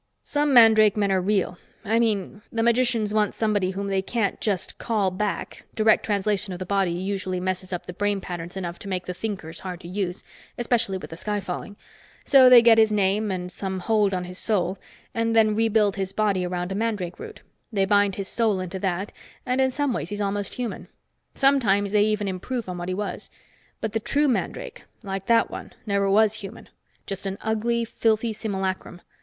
"Some mandrake men are real. I mean, the magicians want somebody whom they can't just call back direct translation of the body usually messes up the brain patterns enough to make the thinkers hard to use, especially with the sky falling. So they get his name and some hold on his soul and then rebuild his body around a mandrake root. They bind his soul into that, and in some ways he's almost human. Sometimes they even improve on what he was. But the true mandrake like that one never was human. Just an ugly, filthy simulacrum.